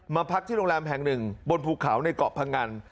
มาพักที่โรงแรมแห่งหนึ่งบนภูเขาในเกาะพงัน